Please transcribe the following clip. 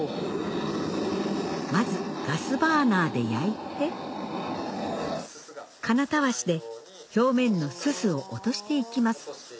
まずガスバーナーで焼いて金たわしで表面のすすを落としていきます